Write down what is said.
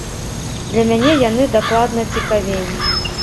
Для мяне яны дакладна цікавей.